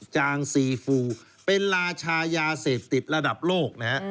จางซีฟูเป็นราชายาเสพติดระดับโลกนะฮะ